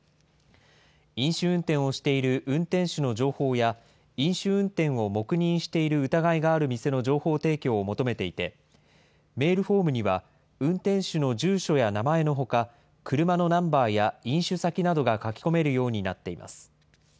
飲酒運転をしている運転手の情報や、飲酒運転を黙認している疑いがある店の情報提供を求めていて、メールフォームには、運転手の住所や名前のほか、車のナンバーや飲酒先などが書き込めるようになっています。